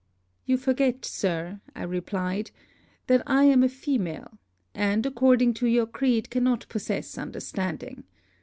'You forget, Sir,' replied I, 'that I am a female; and, according to your creed, cannot possess understanding.